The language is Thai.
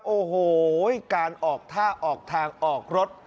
โอ้โหการออกท่าออกทางออกรถ